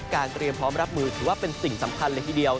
เตรียมพร้อมรับมือถือว่าเป็นสิ่งสำคัญเลยทีเดียว